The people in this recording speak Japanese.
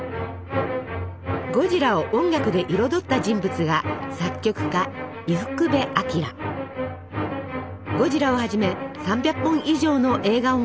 ゴジラを音楽で彩った人物がゴジラをはじめ３００本以上の映画音楽を制作。